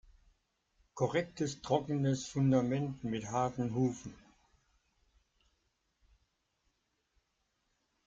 Korrektes, trockenes Fundament mit harten Hufen.